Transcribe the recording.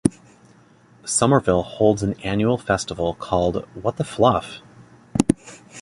Somerville holds an annual festival called What the Fluff?